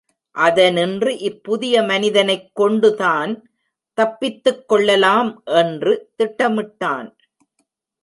அதனின்று இப் புதிய மனிதனைக் கொண்டு தான் தப்பித்துக் கொள்ளலாம் என்று திட்டமிட்டான்.